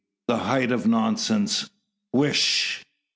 "The height o' nonsense. Wheesh!"